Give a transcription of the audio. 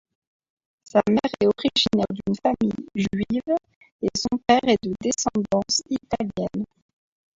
Sa mère est originaire d'une famille juive et son père est de descendance italienne.